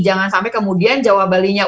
jangan sampai kemudian jawa bali nya